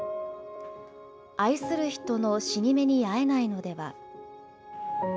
愛する人の死に目に会えないのでは。